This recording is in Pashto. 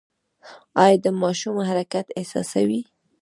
ایا د ماشوم حرکت احساسوئ؟